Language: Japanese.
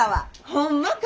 ホンマか。